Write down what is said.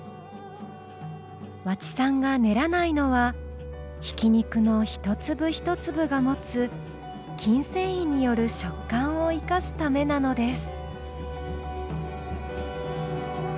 和知さんが練らないのはひき肉の一粒一粒が持つ筋繊維による食感を生かすためなのです。